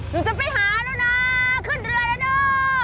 หนูจะไปหาแล้วนะขึ้นเรือแล้วเด้อ